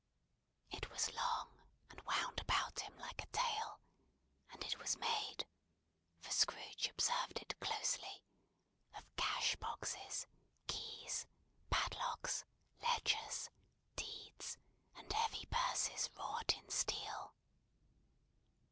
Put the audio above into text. It was long, and wound about him like a tail; and it was made (for Scrooge observed it closely) of cash boxes, keys, padlocks, ledgers, deeds, and heavy purses wrought in steel.